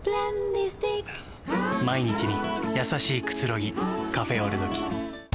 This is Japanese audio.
毎日に優しいくつろぎ、カフェオレどき。